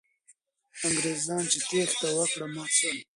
انګریزان چې تېښته یې وکړه، مات سول.